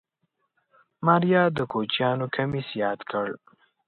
ماريا د کوچيانو کميس ياد کړ.